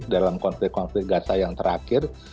dalam konflik konflik gaza yang terakhir